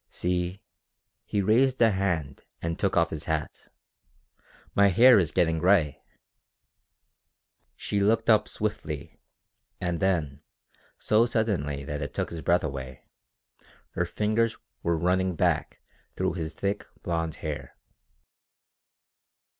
"See...." He raised a hand and took off his hat. "My hair is getting gray!" She looked up swiftly, and then, so suddenly that it took his breath away, her fingers were running back through his thick blond hair.